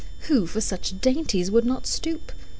Who for such dainties would not stoop?